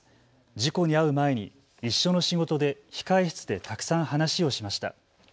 事故に遭う前に一緒の仕事で控え室でたくさん話をしました。